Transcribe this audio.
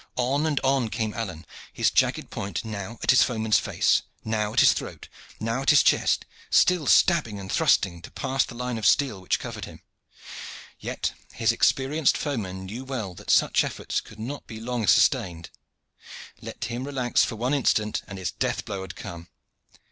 On and on came Alleyne, his jagged point now at his foeman's face, now at his throat, now at his chest, still stabbing and thrusting to pass the line of steel which covered him. Yet his experienced foeman knew well that such efforts could not be long sustained. Let him relax for one instant, and his death blow had come.